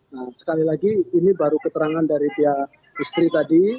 nah sekali lagi ini baru keterangan dari pihak istri tadi